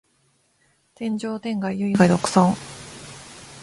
天上天下唯我独尊